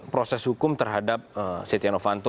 proses hukum terhadap pansus h angke